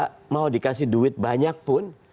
kalau mau dikasih duit banyak pun